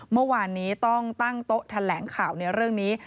เมื่อวานนี้ต้องตั้งโต๊ะแถลงข่าวในเรื่องนี้